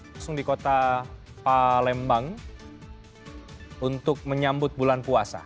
langsung di kota palembang untuk menyambut bulan puasa